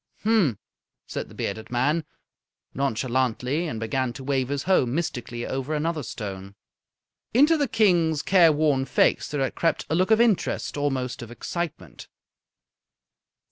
"Mphm!" said the bearded man, nonchalantly, and began to wave his hoe mystically over another stone. Into the King's careworn face there had crept a look of interest, almost of excitement.